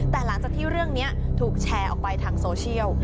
แต่หลังจากที่เรื่องนี้ถูกแชร์ออกไปทางโซเชียล